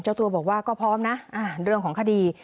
เจ้าตัวบอกว่าก็พร้อมนะเรื่องของคดี